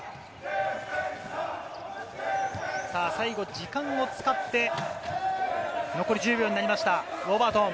最後、時間を使って残り１０秒になりました、ウォーバートン。